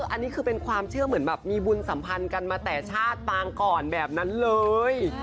อันนี้คือเป็นความเชื่อเหมือนแบบมีบุญสัมพันธ์กันมาแต่ชาติปางก่อนแบบนั้นเลย